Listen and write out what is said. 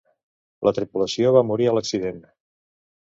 La tripulació va morir a l'accident.